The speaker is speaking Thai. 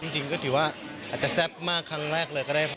จริงก็ถือว่าอาจจะแซ่บมากครั้งแรกเลยก็ได้